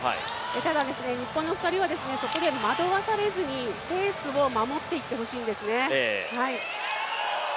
ただ日本の２人はそこで惑わされずにペースを守っていってほしいんですよね。